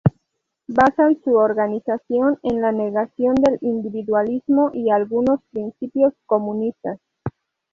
Basan su organización en la negación del individualismo y algunos principios comunistas.